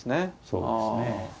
そうですねぇ。